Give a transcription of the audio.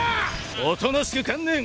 おとなしく観念！